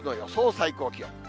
最高気温。